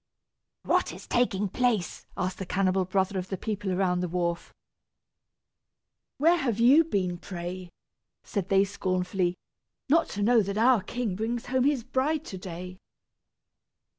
"What is taking place?" asked the cannibal brother of the people around the wharf. "Where have you been, pray?" said they scornfully, "not to know that our king brings home his bride to day!"